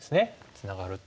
ツナがると。